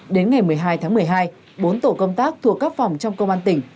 đến ngày một mươi hai tháng một mươi hai bốn tổ công tác thuộc các phòng trong công an tỉnh